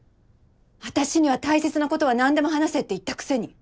私には大切なことは何でも話せって言ったくせに。